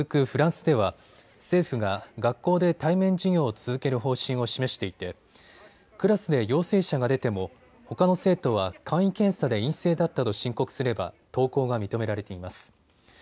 フランスでは政府が学校で対面授業を続ける方針を示していてクラスで陽性者が出てもほかの生徒は簡易検査で陰性だったと申告すれば登校が認められています。